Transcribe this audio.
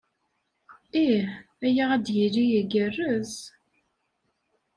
Ih. Aya ad d-yili igerrez.